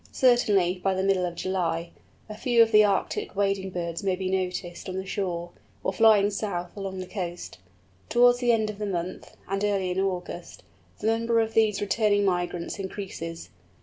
Certainly, by the middle of July, a few of the Arctic wading birds may be noticed on the shore, or flying south along the coast. Towards the end of the month, and early in August, the number of these returning migrants increases.